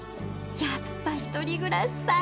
やっぱ一人暮らし最高！